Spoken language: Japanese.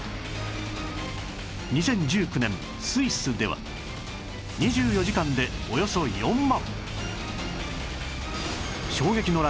２０１９年スイスでは２４時間でおよそ４万